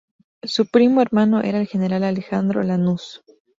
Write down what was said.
Su primo hermano era el general Alejandro Lanusse.